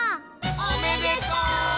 おめでとう！